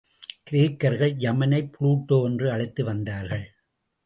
கிரேக்கர்கள் யமனைப் புளுட்டோ என்று அழைத்து வந்தார்கள்.